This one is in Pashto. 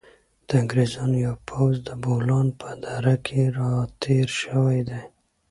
د انګریزانو یو پوځ د بولان په دره کې را تېر شوی دی.